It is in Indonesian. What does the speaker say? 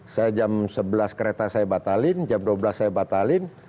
saya jam sebelas kereta saya batalin jam dua belas saya batalin